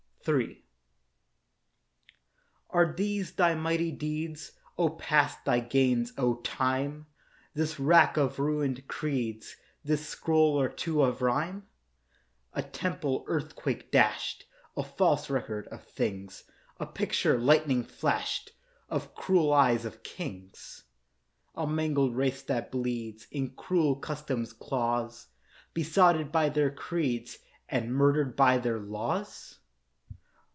III Are these thy mighty deeds, O Past, thy gains, O Time? This wrack of ruin'd creeds, This scroll or two of rhyme?— A temple earthquake dasht; A false record of things; A picture, lightning flasht, Of cruel eyes of kings; A mangled race that bleeds In cruel custom's claws, Besotted by their creeds, And murder'd by their laws?